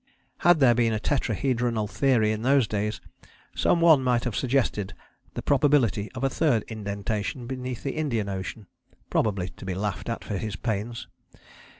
Had there been a Tetrahedronal Theory in those days, some one might have suggested the probability of a third indentation beneath the Indian Ocean, probably to be laughed at for his pains.